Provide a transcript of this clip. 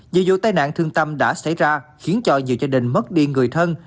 vì vụ tai nạn thương tâm đã xảy ra khiến cho nhiều gia đình mất đi người thân